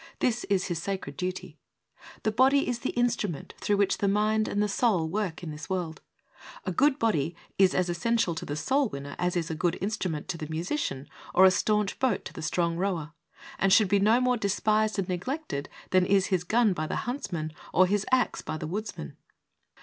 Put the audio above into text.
This is his sacred duty. The body is the instrument through which the mind and the soul work in this world. A good body is as essential to the soul winner as is a good instrument to the musician, or a staunch boat to the strong rower, and should be no more despised and neglected than is his gun by the huntsman or his axe by the woods man.